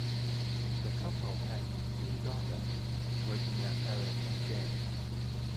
The couple has two daughters, Virginia Ellen and Jane.